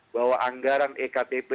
bahwa anggaran ekdp